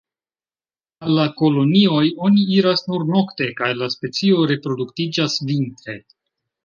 Al la kolonioj oni iras nur nokte, kaj la specio reproduktiĝas vintre.